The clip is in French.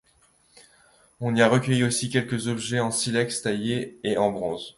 On y a recueilli aussi quelques objets en silex taillé et en bronze.